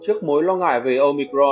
trước mối lo ngại về omicron